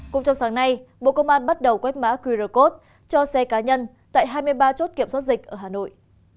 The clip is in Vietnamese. cũng trong sáng nay bộ công an bắt đầu quét mã qr code cho xe cá nhân tại hai mươi ba chốt kiểm soát dịch ở hà nội